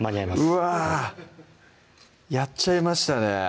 うわやっちゃいましたね